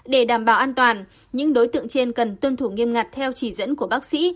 để đảm bảo an toàn những đối tượng trên cần tuân thủ nghiêm ngặt theo chỉ dẫn của bác sĩ